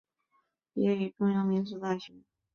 毕业于中央民族大学。